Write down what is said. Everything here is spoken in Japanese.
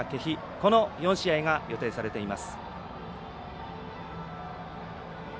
この４試合が予定されています。